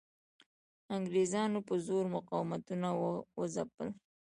انګریزانو په زور مقاومتونه وځپل.